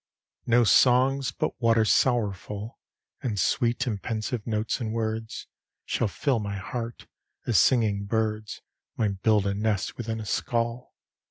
LXIII No songs but what are sorrowful And sweet in pensive notes and words, Shall fill my heart, as singing birds Might build a nest within a skull....